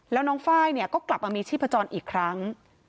แล้วน้องไฟล์เนี่ยก็กลับมามีชีพจรอีกครั้ง